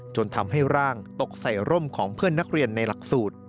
จนทำให้ร่างตกใส่ร่มของเพื่อนนักเรียนในหลักสูตร